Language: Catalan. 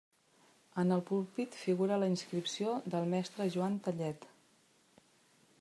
En el púlpit figura la inscripció del mestre Joan Tellet.